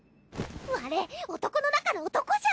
われ男の中の男じゃ！